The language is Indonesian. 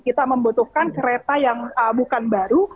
kita membutuhkan kereta yang bukan baru